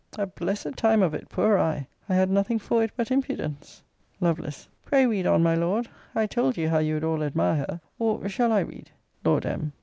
A blessed time of it, poor I! I had nothing for it but impudence! Lovel. Pray read on, my Lord I told you how you would all admire her or, shall I read? Lord M.